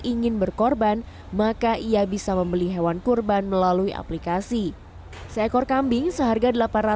ingin berkorban maka ia bisa membeli hewan kurban melalui aplikasi seekor kambing seharga